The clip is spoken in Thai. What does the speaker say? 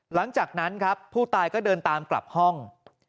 หลังจากนั้นครับผู้ตายก็เดินตามกลับห้อง